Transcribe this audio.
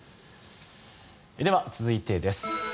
では、続いてです。